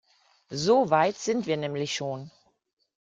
So weit sind wir nämlich schon.